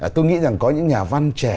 tôi nghĩ rằng có những nhà văn trẻ